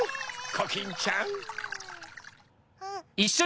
コキンちゃん。